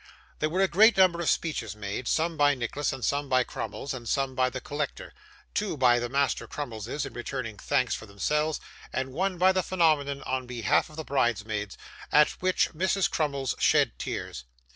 There were a great number of speeches made; some by Nicholas, and some by Crummles, and some by the collector; two by the Master Crummleses in returning thanks for themselves, and one by the phenomenon on behalf of the bridesmaids, at which Mrs. Crummles shed tears.